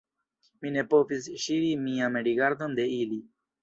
Mi ne povis ŝiri mian rigardon de ili.